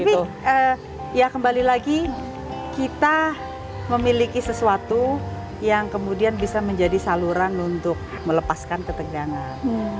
tapi ya kembali lagi kita memiliki sesuatu yang kemudian bisa menjadi saluran untuk melepaskan ketegangan